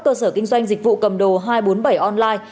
cơ sở kinh doanh dịch vụ cầm đồ hai trăm bốn mươi bảy online